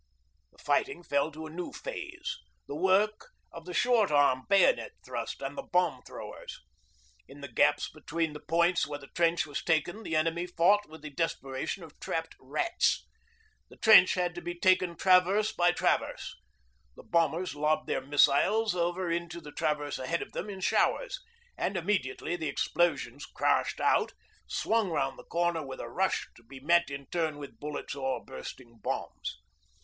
The fighting fell to a new phase the work of the short arm bayonet thrust and the bomb throwers. In the gaps between the points where the trench was taken the enemy fought with the desperation of trapped rats. The trench had to be taken traverse by traverse. The bombers lobbed their missiles over into the traverse ahead of them in showers, and immediately the explosions crashed out, swung round the corner with a rush to be met in turn with bullets or bursting bombs.